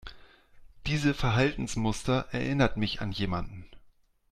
Diese Verhaltensmuster erinnert mich an jemanden.